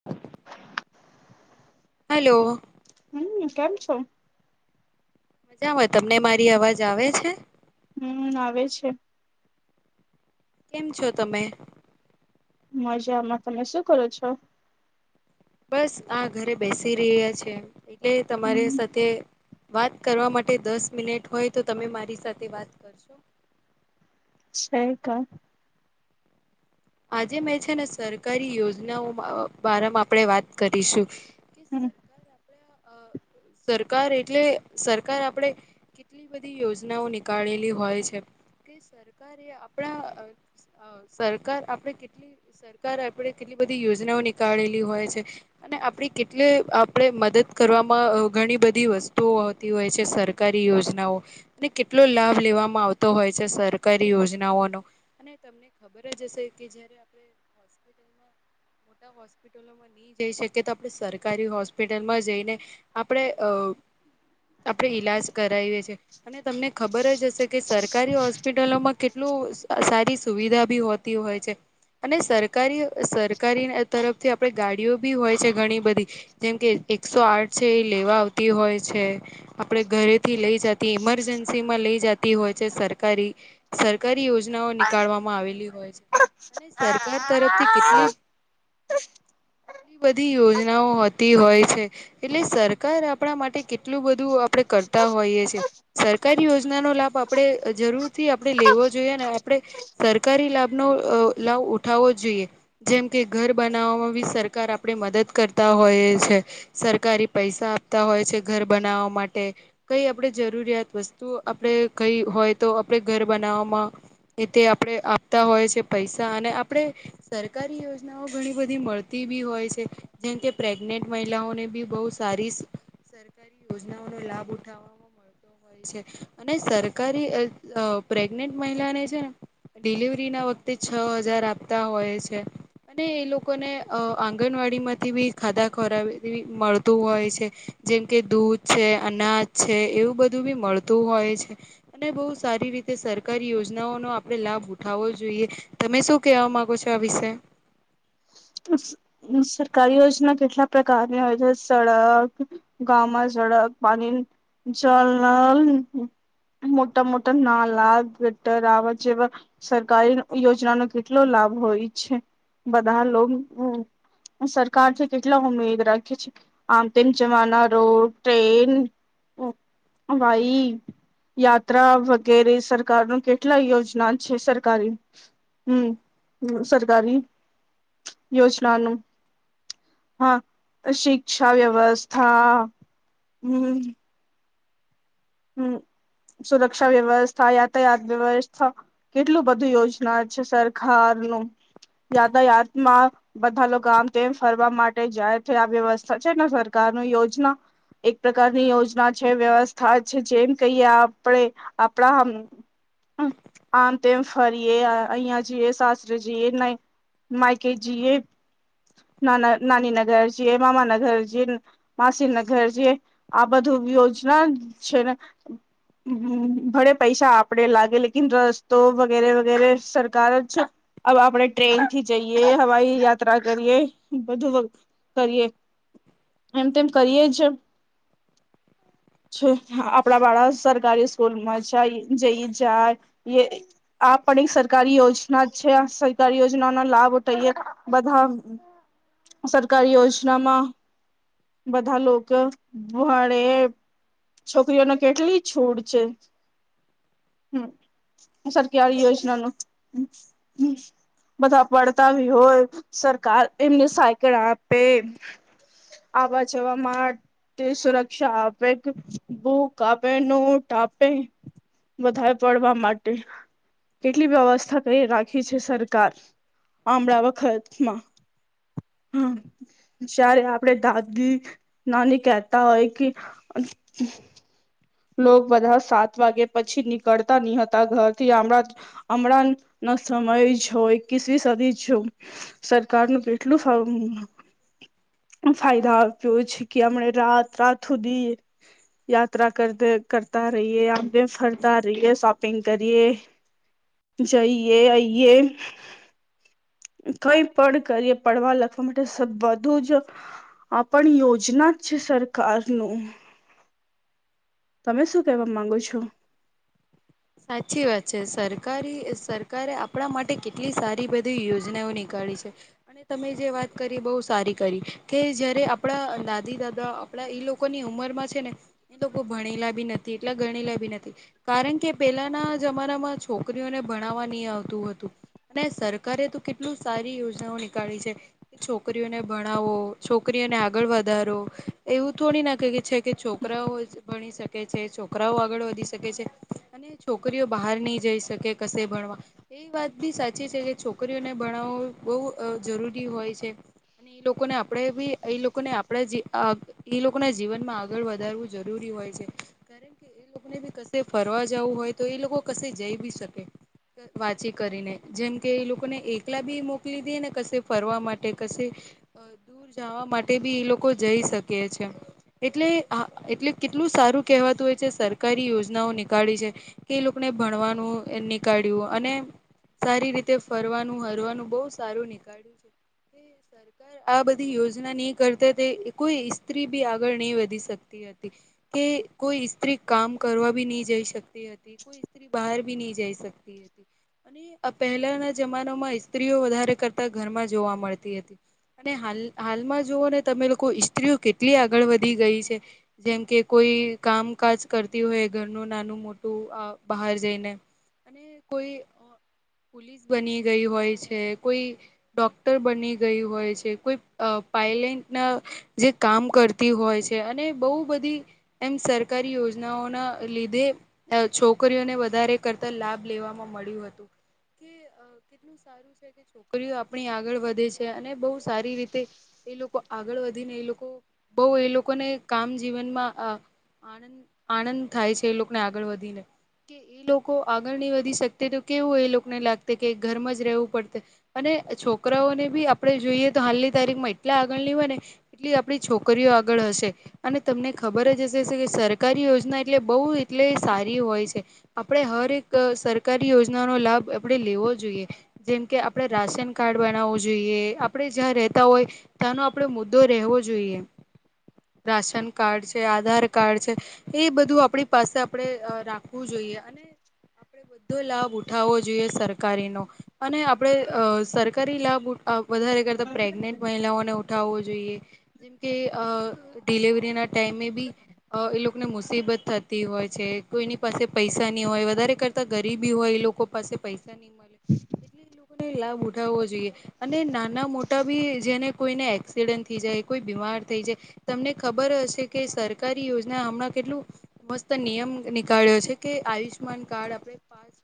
[inaudible] Hello. હમ્મ કેમ છો? મજા હોય તમને મારી અવાજ આવે છે. હમ આવે છે. કેમ છો તમે મજામાં તમે શું કરો છો. બસ આ ઘરે બેસી રહ્યા છે એટલે તમારી હમ સાથે વાત કરવા માટે દસ મિનટ હોય તો તમે મારી સાથે વાત કરશો શ ક આજે મેં છે ને, સરકારી યોજનાઓ બારમાં આપણે વાત કરીશુ હમ્મ સરકાર એટલે સરકાર આપણેે કેટલી બધી યોજનાઓ નીકાળેલી હોય છેકે, સરકારે આપણા સરકાર આપડે કેટલી સરકાર આપડે કેટલી બધી યોજનાઓ નીકાળેલી હોય છે. અને આપડી કેટલી આપણેે મદદ કરવામા ઘણી બધી વસ્તુઓ આવતી હોય છે સરકારી યોજનાઓ અને કેટલો લાભ લેવામાં આવતો હોય છે, સરકારી યોજનાઓનો અને તમને ખબર જ હશે કે જયારે આપ હોસ્પિટલમા બધા હોસ્પિટલોમાં નહી જઈ શકી તો આપણે સરકારી હોસ્પિટલમાં જઈને. આપણે અ આપણેે ઈલાજ કરાવીએ અને તમને ખબર જ હશે કે સરકારી હોસ્પિટલોમાં કેટલું સારી સુવિધા બી હોત. હોય છે. અને સરકારી સરકારી તરફથી આપણે ગાડીઓ બી હોય છે ઘણી બધી જેમ કે એકસો આઠ છે એ લેવા આવતી હોય છે. આપણે ઘરેથી લઈ જતી ઇમરજન્સી માં લઈ જતી હોય છે, સરકારી સરકારી યોજનાઓ નીકળવામાં આવેલી હોય છે, અને સરકાર તરફથી કેટલી એ બધી યોજનાઓતી હોય છે. એટલે સરકાર આપણા માટે કેટલું બધું આપણે કરતા હોઈએ છે. સરકારી યોજનાનોો લાભ આપણે જરૂર થી આપણેે લેવો જોઈએ ને આપણે સરકારી લાભનોો લાભ ઉઠાવવો જ જોઈએ. જેમ કે ઘર બનાવવામાં બી સરકાર આપણે મદદ કરતા હોય છે. સરકારી પૈસા આપતા હોય છે, ઘર બનાવવા માટે કઈ આપણે જરૂરિયાત વસ્તુ આપણે કઈ હોય, તો આપણે ઘર બનાવવામા એ તે આપણે આપતા હોય છે, પૈસા અને આપણે સરકારી યોજનાઓ ઘણી બધી મળતી બી હોય છે જેમ કે પ્રેગ્નેન્ટ મહિલાઓને બી બહ સારી સરકારી યોજનાઓનો લાભ ઉઠાવવામાં મળતો હોય છે અને સરકારી પ્રેગનેન્ટ મહિલાને છેને. ડિલિવરી ના વખતે છ હજાર આપતા હોય છે. અને એ લોકોને આંગણવાડી માંથી બી ખાધા ખોરાવેવી મળતું હોય છે જેમ કે દૂધ છે અનાજ છે એવું બધું બી મળતું હોય છે. અને બહુ સારી રીતે સરકારી યોજનાઓનોો આપણે લાભ ઉઠાવવો જોઈ. તમે શું કેવા માંગો છો, આ વિશે સરકારી યોજના કેટલા પ્રકારની હોય છે, સડક ગમાં ઝડક પાણી જલ નલ મોટા મોટા નાલા ગટરવા જેવા સરકારી યોજના ન કેટલો લાભ હોય છે બધા લો સરકાર થી કેટલા ઉમેદ રાખીએ છીએ. આમ તન જમાના રોડ ટ્રેન હઈ યાત્રા વગેરે સરકાર ન કેટલા યોજના છે સરકારી. હમ હ સરકારી. યોજનાનું. હા શિક્ષા વ્યવસ્થા હમ. હમ [inaudible] સુરક્ષા વ્યવસ્થા યાતાયાત વ્યવસ્થા કેટલું બધું યોજના છે સરકાર ન યાતાયાતમાં બધા લોકો આમ તેમ ફરવા માટે જાય થ આ વ્યવસ્થા છે ને સરકાર ન યોજના એક પ્રકારની યોજના છે વ્યવસ્થા છે જેમ કહીએ આપણે આપણા આમતે ફરીયએ અહીયા જીએ સાસરે જીએ નહી માયકે જીએ, નાના નાની ના ઘરજીએ મામાના ઘરજીઈએ. માસી નગર જે, આ બધું યોજના છે. હ ભડે પૈસા આપડે લાગે લેકન રસ્તો વગેરે વગેરે સરકાર જ હવે આપણે ટ્રેન થી જઈએ હવાઈ યાત્રા કરીએ બધું. કરીએ એમ તેમ કરીએ જ છે. આપણા વાળા સરકારી સ્કૂલમાં છે જઈ જાય. આ પણ એક સરકારી યોજના છે આ સરકારી યોજનાઓ ના લાભટએ બધા સરકારી યોજનામાં બધા લોકોડે. છોકરીઓને કેટલી છૂડ છે હમ. સરકારી યોજના ન હ. બધા પડતાવી હોય સરકાર એમને સાયકલ આપે. આવા જવા માટે સુરક્ષા આપે. બૂ કાપે ન ટાપે બધા પડવા માટે. કેટલી વ્યવસ્થા કરી રાખી છે સરકાર. આમળ વખતમાં હા. જારે આપડે દાદી નાની કેહેતા હોય કે લો બધા સાત વાગે પછી નીકળતા નહ હતા ઘર થી હમણાં હમણાં ન સમય છ એકવીસવી સદી છે. સરકારનું કેટલું ફાયદા આપ્યો છે કે હમણે રાત રાત સુધી, યાત્રા કર કરતા રહીએ આગે ફરતા રહીએ શોપિંગ કરીએ. પછઈએ આઈયએ. કઈ પણ કરીએ પડવા લખવા માટે બધું જ. આ પણ યોજના જ છે સરકારનું. તમે શું કેવા માંગો છો? સાચી વાત છે સરકારી સરકારે આપણા માટે કેટલી સારી બધી યોજનાઓની કરે છે. અને તમે જે વાત કરી બહુ સારી કરી કે જયારે આપણા દાદી દાદા આપડા એ લોકોની ઉંમર માં છે ને એ લોકો ભણેલા બી નથી, એટલા ગણેલા બી નથી કારણ કે પેલાના જમાના માં છોકરીઓને ભણાવવા નહી આવતું હતું. અને સરકારે તો કેટલું સારી યોજનાઓ નીકાળી છે. છોકરીઓને ભણાવો છોકરીઓને આગળ વધારો, એવું થોડી ના ક છે કે છોકરાઓ ભણી શકે છે છોકરાઓ આગળ વધી શકે છે. અને છોકરીઓ બહાર નહી જઈ શકે કશે ભણવા. એ વાત બી સાચી છે કે છોકરીઓને ભણાવો બહુ જરૂરી હોય છે. અને એ લોકોને આપણેે બી એ લોકોને આપણા જે એ લોકો ના જીવનમાં આગળ વધારવું જરૂરી હોય છે કારણ કે એ લોકોને બી કશે ફરવા જ જવું હોય તો એ લોકો ક જઈ બી શકે વાંચી કરીને જેમ કે એ લોકોને એકલા બી મોકલી દે ને કશે ફરવા માટે કશે દૂર જવા માટે બી એ લોકો જઈ શકે છે. એટલેા એટલે કેટલું સારું કેહેવાતું હોય છે સરકારી યોજનાઓને કળી છે કે એ લોકોને ભણવાનું નીકળ્યું અને સારી રીતે ફરવાનું હરવાનું બહ સારું નીકાળ્યું છે. આ બધી યોજના નહી કરતા તે કોઈ સ્સ્ત્રી બી આગળ નહી વધી શકતી કે કોઈ સ્ત્રી કામ કરવા બી નહી જઈ શકતી હતી કોઈ બહાર ભી નહી જઈ શકતી હતી. અને પહેલાના જમાનામાં સ્ત્રીઓ વધારે કરતા ઘરમાં જોવા મળતી હતી. અને હાલ હાલમાં જુવ ને તમે લોકો ઇત્રીઓ કેટલી આગળ વધી ગઈ છે. જેમ કે કોઈ કામકાજ કરતી હોય ઘ નાનું મોટું બહાર જઈને અને કોઈ પોલીસ બની ગઈ હોય છે, કોઈ ડોક્ટર બની ગય હોય છે કોઈ પાયલટના જે કામ કરતી હોય છે, અને બહુ બધી એમ સરકારી યોજનાઓના લીધે છોકરીઓને વધારે કરતા લાભ લેવામાં મળ્યું હતુ. કેટલું સારું છે કે છોકરીઓ આપણી આગળ વધે છે અને બહુ સારી રીતે એ લોકો આગળ વધી ને એ લોકો બઉુ એ લોકોને કામ જીવનમાં આનંદ આનંદ થાય છે એ લોકો ને આગળ વધી ને કે એ લોકો આગળ નહી વધી શકતે તો કેવું એ લોકોને લાગ કે ઘરમાં જ રહેવું પડત અને છોકરાઓને બી આપડણે જોઈએ તો હાલની તારીખ માં એટલા આગળની હોય ને. એટલી આપણી છોકરીઓ આગળ હશે અને તમને ખબર જ હશે કે સરકારી યોજના એટલે બહુ એટલે સારી હોય છે. આપણે હર એક સરકારી યોજના નો લાભ આપણેે લેવો જોઈએ. જેમકે આપડ રાશન કાર્ડ બનાવવું જોઈએ આપણેે જ્યાં રહેતા હોય. તનો આપડો મુદ્દો રહેવો જોઈએ. રાશન કાર્ડ છે આધાર કાર્ડ છેએ, બધું બધું આપણી પાસે આપણે રાખવું જોઈએ અને આપણે બધો લાભ ઉઠાવવો જોઈએ સરકારીનો અને આપડે અ સરકારી લાભ વધારે કરતા પ્રેગ્નેન્ટ મહિલાઓને ઉઠાવવો જોઈએ જેમકે ડિલિવરીના ટાઈમે બી એ લોકોને મુસીબત થતી હોય છે કોઈની પાસે પૈસા નહીં હોય વધારે કરતાં ગરીબી હોય એ લોકો પાસે પૈસા નહી મળે એટલે એ લોકોને લાભ ઉઠાવવો જોઈએ. અને નાના મોટા બી જેને કોઈને એક્સિડન્ટ થઈ જાય કોઈ બીમાર થઈ જાય. તમને ખબર હશે કે સરકારી યોજના હમણાં કેટલુ મસ્ત નિયમ નીકાળ્યો છે કે આયુષ્યમાન કાર્ડ આપણે પાસ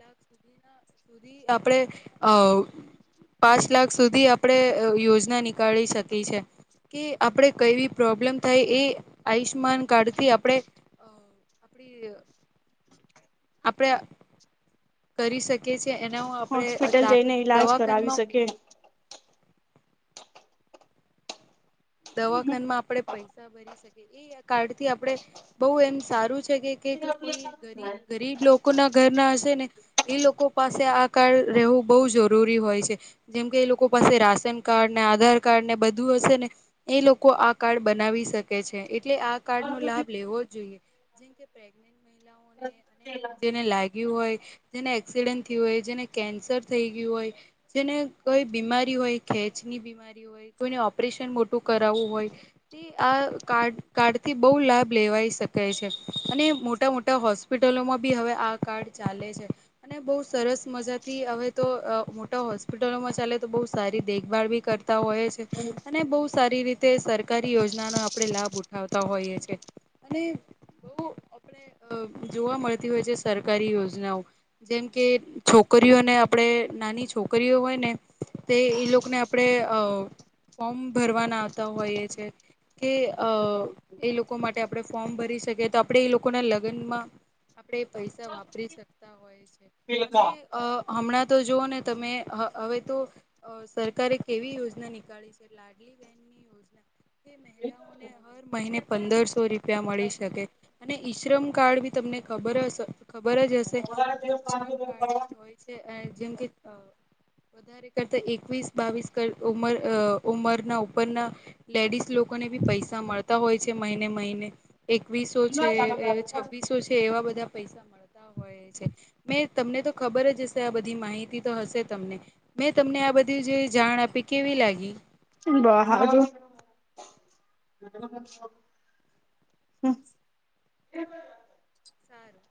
લાખ સુધી સુધી આપણે અ પાંચ લાખ સુધી આપડણે યોજના નીકાળી શકી છે. કે આપણે કઈવી પ્રોબ્લેમ થાય એ આયુષ્માન કાર્ડથી આપણે તે અ આપણે કરી શકીએ છીએ એના હ આપણે હોસ્પિટલ દા જઈને ઈલાજ કરાવી દવાખાનમાં શકે દવાખાનમાં આપડે પૈસા ભરી એ કાર્ડ થી આપડે બહું એમ સારું છે કે કોઈ ગરીબ ગરીબ લોકો લોકો ના ઘર ના હશે ને એ લોકો પાસે આ કાર્ડ રહેવું બહુ જરૂરી હોય છે. જેમ કે એ લોકો પાસે રાશન કાર્ડ ને આધાર કાર્ડ ને બધું હશે ને એ લોકો આ કાર્ડ બનાવી શકે છે એટલે આ કાર્ડ નો લાભ લેવો જ જોઈએ. જેમ કે પ્રેગ્નેટ અ જેને લાગ્યું હોય જેને એક્સિડન્ટ થયું હોય જેને કેન્સર થઈ ગયું હોય જેને કોઈ બીમારી હોય ખેંચ ની બીમારી હોય કોઈને ઓપરેશન મો ટુ કરાવવું હોય તે આ કાર કાર્ડથી બહુ લાભ લેવાઈ શકાય છે અને મોટા મોટા હોસ હોસ્પિટલોમાં બી હવે આ કાર્ડ ચાલે છે. અને બઉ સરસ મજા થી હવે તો મોટા હોસ્પિટલોમાં ચાલે તો બહું સારી દેખભાળ બી કર તા હોય છે અને બહું જ સારી રીતે સરકારી યોજનાનો આપણે લાભ ઉઠાવતા હોઈએ છેએ અને બહું આપણે અ જોવા મળતી હોય છે સરકારી યોજનાઓ જેમ કે છોકરીઓને આપણે નાની છોકરીઓ હોય ને તે એ લોકોને આપણે અ ફોર્મ ભરવાના આવતા હોઈએ છે. કે અ એ લોકો માટે આપણે ફોર્મ ભરી શકીએ તો આપણે એ લોકોના લગ્નમાં આપણેે પૈસા વાપરી શકતા હોય છે અને અ હમણાં તો જોઓ ને તમે હવે તો અ સરકારે કેવી યોજના નીકાળી છે લાડલી બેહેનની યોજના એ જ મહિલાઓને [unintelligible] હર મહિને પંદરસો રૂપિયા મળી શકે અને ઈશ્રમ કાર્ડ બી તમને ખબર ખબર જ હશે તો [unintelligible] પહેલા તે એ જેમ કે વધારે કરતા એકવીસ બાવીસ કર ઉમર અ ઉમર ના ઉપરના લેડીસ લોકોને બી પૈસા મળતા હોય છે મહિને મહિને એકવીસો છે એ છવ્વીસો છે એવા બધા પૈસા મળતા હોય છે. મેં તમને તો ખબર જ હશે આ બધી માહિતી તો હશે તમને મેં તમને આ બધી જે જાણ આપી કેવી લાગી [unintelligible] હમ્મ. સારું